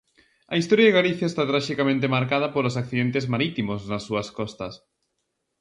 A historia de Galicia está traxicamente marcada polos accidentes marítimos nas súas costas.